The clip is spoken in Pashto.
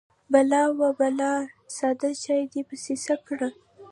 _بلا ، وه بلا! ساده چاې دې پسې څه کړ؟